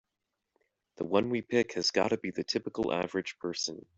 The one we pick has gotta be the typical average person.